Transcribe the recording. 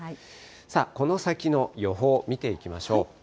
さあ、この先の予報見ていきまし